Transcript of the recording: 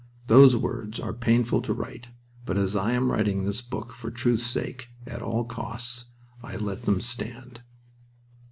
Those words are painful to write, but as I am writing this book for truth's sake, at all cost, I let them stand....